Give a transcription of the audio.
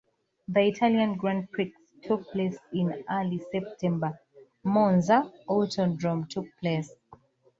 The Italian Grand Prix took place in early September Monza Autodrome took place.